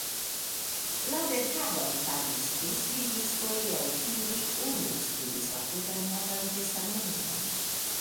La verkadon faris du skribistoj, el kiuj unu skribis la tutan Novan Testamenton.